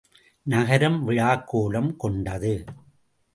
நகரம் விழாக்கோலம் கொண்டது.